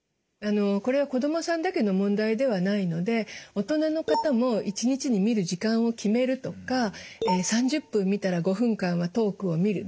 これは子どもさんだけの問題ではないので大人の方も１日に見る時間を決めるとか３０分見たら５分間は遠くを見る。